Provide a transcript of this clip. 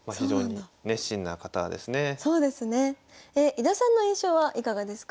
井田さんの印象はいかがですか？